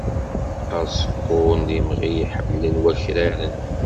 Aẓekkun d imɣi i ḥemmlen wakraren.